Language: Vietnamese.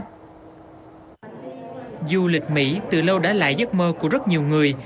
nhiều doanh nghiệp du lịch mỹ từ lâu đã là giấc mơ của rất nhiều người